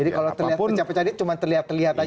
jadi kalau terlihat pecah pecah cuma terlihat terlihat saja ya